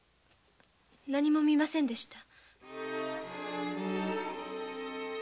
なにも見ませんでした。